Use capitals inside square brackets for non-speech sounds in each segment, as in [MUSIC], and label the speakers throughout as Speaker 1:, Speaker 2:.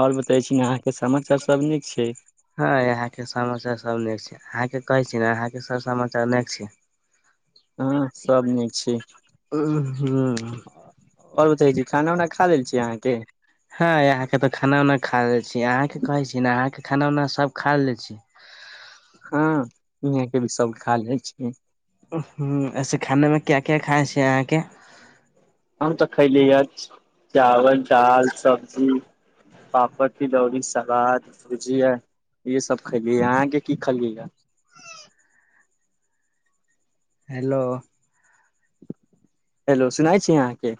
Speaker 1: اور بتائی چ ن آ کے سماچار سب نک ہے
Speaker 2: ہاں یہاں کے ساچار سب نی آ کے کہیسی نا یہ کے سر سماچار نیک چ
Speaker 1: ہاں سب نیک اور بتےی کانا وانا کا لی ا آاں کے
Speaker 2: ہاں یہاں کے تو کانا وناا کا لیی آاں کی کہے چ نا ااں کے کانا واب کھا لیی
Speaker 1: ہاں یہ کے بھی سب کھا لیائ چ
Speaker 2: ہ ایسے کھانے میں کیا کیا کھائےس یہاں کے
Speaker 1: ہم تو کلیے ہے چاول دال سبزی پاپڑ ت جڑیس سلااد بجیا یہ سب کلی آہاں کے کی کلے
Speaker 2: ہیلو
Speaker 1: ہیلو سنائی چ آاں کے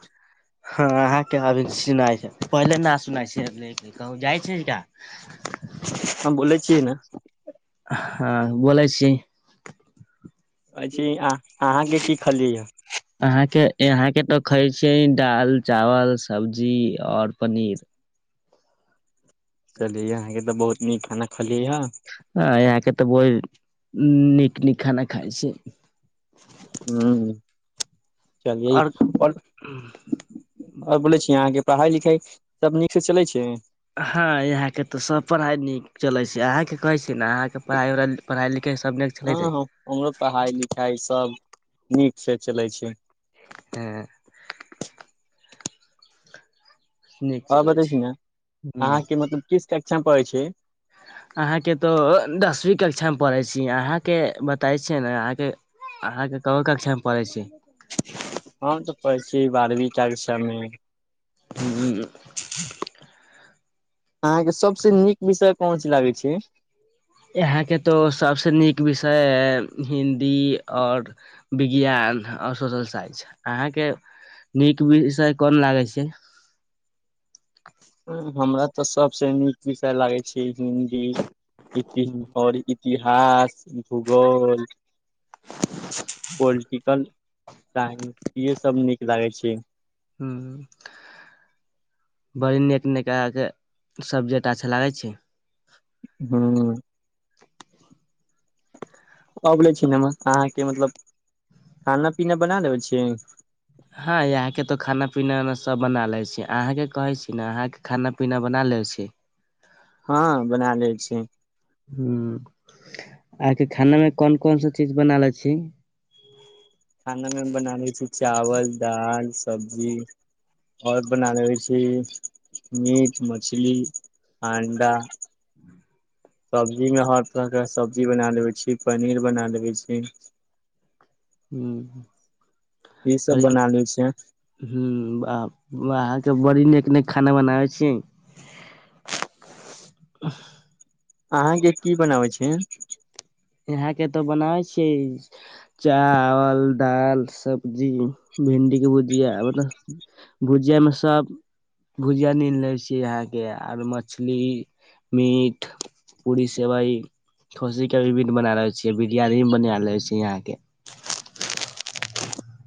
Speaker 2: ہاں آ کیا ابھی سنا پہلے نہ سنی چ ل کہ جائ کیا [INAUDIBLE]
Speaker 1: ہاں بولے [UNINTELLIGIBLE]
Speaker 2: ہاں بولےچ [UNINTELLIGIBLE]
Speaker 1: آ کے کی خالے یہ
Speaker 2: آ کے یہاں کے تو کائے چ دال چاول سبزی اور پنیر
Speaker 1: چلیے آاں کے تو بہت نک کھانا خھل
Speaker 2: ہاں یہاں کے تو وہ نک نک کھانا کائے سے
Speaker 1: ہوں چلیےی اور اور بولے چ آ کی پڑھائی لکھائی سب نک سے چلے چ
Speaker 2: ہاں یہاں کے ت سب پڑھائی نک چلے ہے آح کے کہے چ نا آح کے توب پڑھائی وڑھ پڑھائی لکھائیب لیک چل تھے
Speaker 1: ارو پڑھائی لکھائی سب نک سے چلے چ
Speaker 2: [UNINTELLIGIBLE]
Speaker 1: ہ بتسی نا ا کی مطلب کس ککشا میں پڑے
Speaker 2: ااں کے تو دسویں ککشا میں پڑیسی اہاں کے بتائی چ ن آاں کے آاں کے کوں ککا میں پڑے سے
Speaker 1: ہاں تو پڑسی بارہویں کا کے سمے
Speaker 2: جی
Speaker 1: ا کے سب سے نک وشے کون سی لگی
Speaker 2: یہاں کے تو سب سے نیک وشے ہے ہندی اور وجیان اور سوشل سائنس اہاں کے نیک وشے کون لگی ہے
Speaker 1: ہم تو سب سے نک وش لگے چ ہندی اور اتحس بھگول
Speaker 2: [INAUDIBLE]
Speaker 1: پوولٹیکل سائنس یہ سب نک لگے چ
Speaker 2: ہوں بڑی نیک نک کے سبجیکٹ اچھا لگے ہے [UNINTELLIGIBLE]
Speaker 1: ہاں ابولے ن آ کے مطلب کھانا پیین بنا ل چ [UNINTELLIGIBLE]
Speaker 2: ہاں یہاں کے تو کانا پین سب بنا لیے سے اہاں کے کہی ت نا آ کے کانا پین بنا لی سے
Speaker 1: ہاں بنا لی چ
Speaker 2: ہ آ کے کھانا میں کون کون سا چیز بناالوچ
Speaker 1: کھانا میں بنانی تھ چاول دال سبزی اور بنا لیی سے میٹ مچھلی انڈا سبزی میں ہر طرح کا سبزی بنا لیے چ پنیر بنا لیے چ
Speaker 2: ہوں
Speaker 1: یہ سب بنا لیے چ
Speaker 2: ہ ااں کے بڑی نیک نیک کھانا بنابے سے
Speaker 1: اہاں کے کی بناوے چ
Speaker 2: یہاں کے تو بناوی چے چاول دال سبزی بھنڈی کی بھجیا مط بجیا میں سب بھجیا ن لی چ یہاں کے اور مچھلی میٹ پوری سیوائی کش کا بنا رہے چی بریانی بھی بنا رہوےی یہاں کے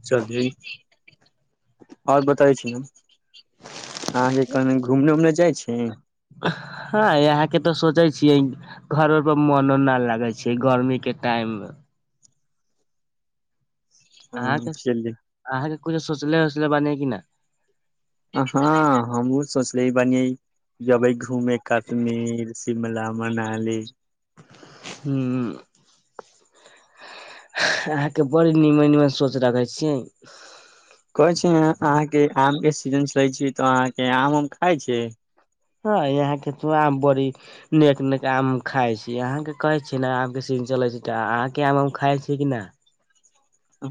Speaker 1: چل ج اور بتائی چ ہم ا کے کہیں گھومنے وومنے جائ سے
Speaker 2: ہاں یہاں کے تو سوچے چے گھروں پ من نہ لگے چ گرمی کے ٹائم میں ا کے آ کے کچھ سوچلے وچلے بنے کی نا
Speaker 1: ہاں ہم وہ سوچ لے بن ہی جبی گھوم کشمیر شملہ منالی
Speaker 2: ہوں ا کے بڑی نیمن نیمن سوچ رکھے چے
Speaker 1: کہ چ کے آم کے سیزن چ ل تو آ کے آم ہم کائے سے
Speaker 2: ہاں یہاں کہت آمبور نیک نیک آم کائے چ ااں کے کہے چے نا آم کے سیزن چلے آ کے آمم کائے چ کہ نا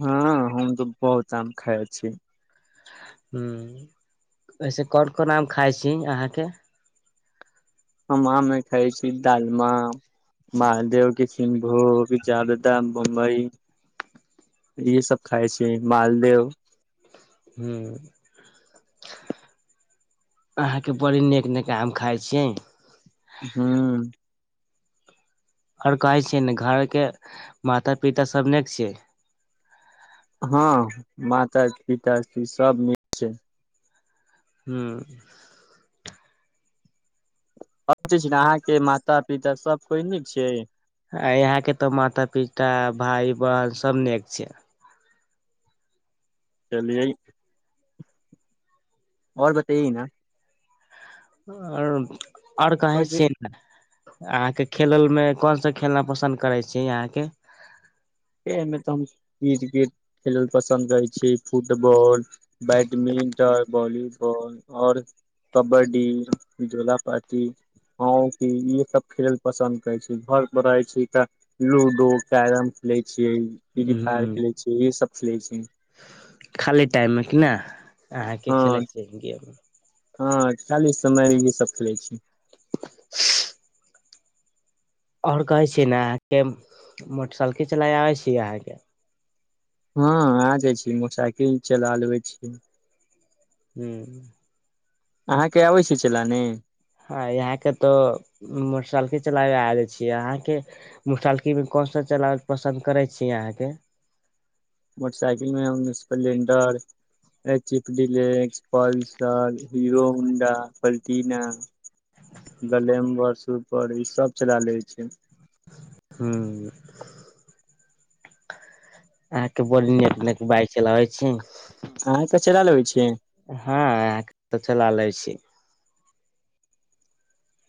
Speaker 1: ہاں ہم تو بہت آم کائے اچ
Speaker 2: ہوں ایسے کون کون آم کھائےسی آاں کے
Speaker 1: ہم آ میں کائےچ دال م مالدیو کی سنھو بھی زیاد تہ بمبئی یہ سب کائے چ مالدو
Speaker 2: ہوں ااں کے بڑی نیک نک آم کائے چ
Speaker 1: ہاں
Speaker 2: اور کہے چے ن گھر کے ماتا پتا سب ن کے چ
Speaker 1: ہاں ماتا پتا س سب م
Speaker 2: ہوں
Speaker 1: اور چی ااں کے ماتا پتا سب کوئی نک چ
Speaker 2: یہاں کے تو ماتا پتا بھائی بہن سب نیک چ
Speaker 1: چلیے اور بتائیے نا
Speaker 2: اور اور کہیں
Speaker 1: نا
Speaker 2: چین آ کے کھیل میں کون سا کلنا پسند کرے چ آ کے
Speaker 1: میں تو ہم کرکٹ کھیل پسند کرتےچے football badminton volleyball اور کبڈی جولہپاات ہاں کی یہ سب کل ل پسند کر گھر پ رہے ت لوڈو کیرم کلے چے فری فائر کھیلے چے یہ سب کلے چ
Speaker 2: خالی ٹائم میں کی ن آ کے کھیلے چ گیم
Speaker 1: ہاں چالیس س م یہ سب کلے
Speaker 2: اور کہے چے نا آ کے موٹر سائیکل چلا آے آ کے
Speaker 1: ہاں آ جائے موٹر سائیکل چلا لوے چ
Speaker 2: ہوں
Speaker 1: ااں کے آبی سے چلاانے
Speaker 2: ہاں یہ کے تو موٹر سائیکل چلاوے آ ج چ آاں کے مسالکی میں کون سا چلال پسند کرے چ آاں کے
Speaker 1: موٹر سائیکل میںپلینڈر چپ ڈی لس پلسر ہیرو ہونڈا پلٹینا گلیمبر سر ای سب چلا لے چ
Speaker 2: ہوں آ کے بڑی نیک نک بائک چلاوے چ
Speaker 1: آ کچرا لوے چ
Speaker 2: ہاں تو چلا لےچ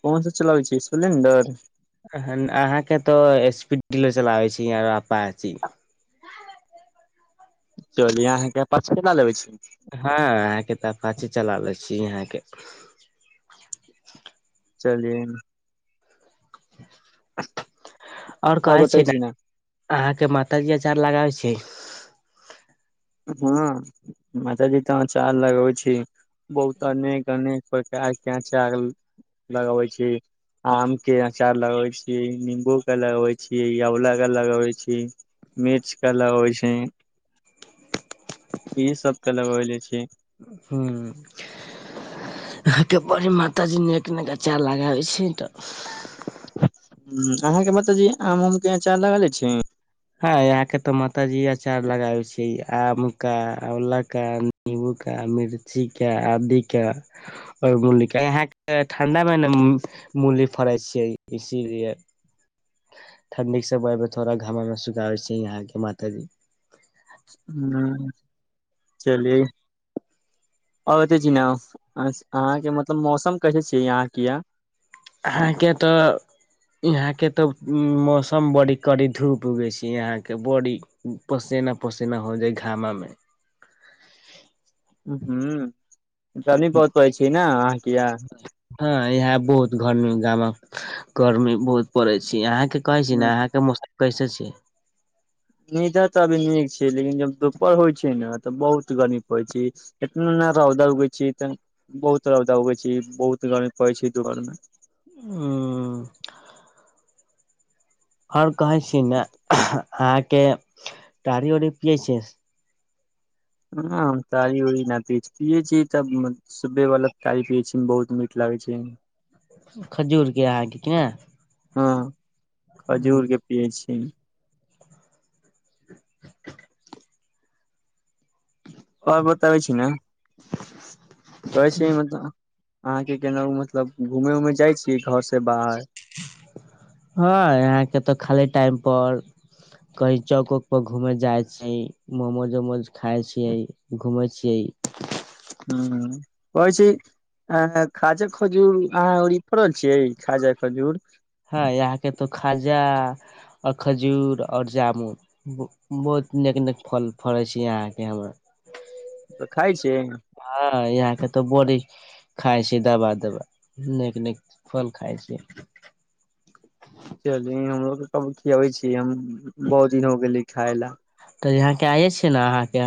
Speaker 1: کون سا چلاچ سلینڈر
Speaker 2: ااں کے تو اسپیڈ ڈیلر چلاوے چ آاچی
Speaker 1: چلیے ا کے پاچ ک لے چ
Speaker 2: ہاں آ کے تو پاچے چلا ل یہاں کے
Speaker 1: چلیے گا
Speaker 2: اور کہے سے نا ااں کے مات جی اچار لگوی سے
Speaker 1: ہاں مات جی تو چار لگؤچ بہت اک انک پرچ کچا لگوی چ آم کے اچار لگوی چ نیمبو کے لگوی چ لا کے لگوی چ مرچ کالا ہوی سے یہ سب کے لگ لیے چ
Speaker 2: ہوں وہ کے بڑی ماتا جی نیک نک اچا لگ ہوی سے ت
Speaker 1: ہ ااں کے بتجیے آم ام کے چار لگاالے چ
Speaker 2: ہاں یہاں کے تو ماتا جی اچار لگائے چ آم کا الہ کا نب کا مرچ کا آد کا اور م کا یہ کے ٹھڈا میں نا ملی فڑے چے اسی لیے ٹھنڈی کے سمے میں تھوڑا گاما میں سکھوے یہاں کے ماتا جی
Speaker 1: ہ چلیے اور ج ناں کے مطلب موسم کیسے چ یہاں کی یہ
Speaker 2: ااں کے تو یہاں کے تو موسم بڑی کڑی دھوپ اگی ہے یہاں کے بڑی پسینا پسینا ہو جائے گھاما میں
Speaker 1: ہوں کمی بہت پیچ نا آ کی یہ
Speaker 2: ہاں یہاں بہت گرمی گاما گرمی بہت پڑی چ آاں کے کہے چ نا آاں کے موسم کیسے چ
Speaker 1: ندر ت ابھی نک ہے لیکن جب دوپر ہوئی نا تب بہت گغریف ہوئیچ اتنا روودا اگی ا بہت ردا اگی بہت گرمی پڑی دوور میں [UNINTELLIGIBLE]
Speaker 2: ہوں اور کہے چ ن آ کے ٹاڑی وڑی پیے سے
Speaker 1: ہاں ساری وہی ن پ پی چ تب [UNINTELLIGIBLE] صبے والا کھائے پیے چ بہت مٹ لگے چ
Speaker 2: کھجور کے آاں کی کہ نہ
Speaker 1: ہاں کھجور کے پیے چ
Speaker 2: [UNINTELLIGIBLE]
Speaker 1: اور بتبی چ نا کیسے مطلب آ کے کہنا مطلب گھوم ووم جائےی گھر سے باہر
Speaker 2: ہاں آ کے تو خالی ٹائم پر کہیں چوک ووک پ گھوم جائے چ موموج ووموج کائے چ گھوم چے
Speaker 1: ہوں ہ کوچ ا کجا کھجور ا اڑی پڑل چے کجا کھجور
Speaker 2: ہاں یہاں کے تو خجہ اور کھجور اور جامن بہت نیک نک فل فڑے چ یہاں کے ہم
Speaker 1: تو کائے چ
Speaker 2: ہاں یہ آے تو بی کائے سے دوبا دوبا نیک نیک فل کائے سے
Speaker 1: چلیے ہم لوگ کبھی کیبے چ ہم بہت دن ہوگے کاائے ل
Speaker 2: تو یہاں کے آئیے نا آ کے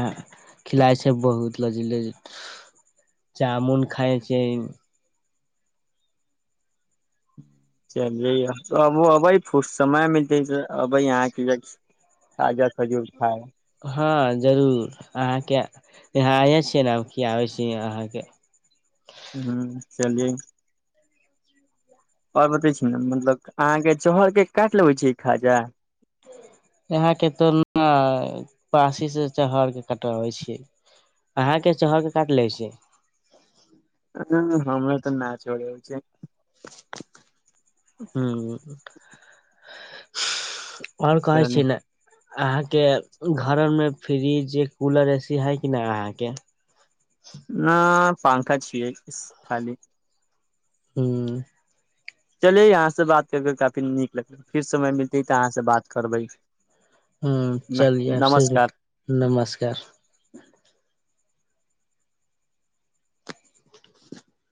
Speaker 2: کھلائے سے بہت لی جامن کھائے سے
Speaker 1: چلیے تو اب ابھی خ سم ملتے ابھی یہ کی ج تجا سجور تھاائے
Speaker 2: ہاں ضرور آاں کے یہاں آئےیں چے ن آ کی آ سے آاں کے
Speaker 1: ہوں چلیے
Speaker 2: [UNINTELLIGIBLE]
Speaker 1: اور بت چ نا مطلب آ کے چہر کے کاٹ لیوے چ خجا
Speaker 2: یہاں کے تو ن پاسی سے چہر کے کٹوی چ اہاں کے چہر کے کاٹ لیے سے
Speaker 1: ہ ہم نے تو نہ چوڑے چ
Speaker 2: ہوں بڑکا آچےین اہاں کے گھر میں فریجیا کولر ای سے ہے کہ نا ا کے
Speaker 1: نہ پنکھا چ ہے خالی
Speaker 2: ہوں
Speaker 1: چلے یہاں سے بات کر کے کافی نک لگ پھر سمئے ملتے ہے تو یہاں سے بات کربی
Speaker 2: ہوں چلیے آپ سےھر بھی نمسکار